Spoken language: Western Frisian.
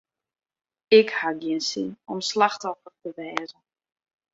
Ik haw gjin sin om slachtoffer te wêze.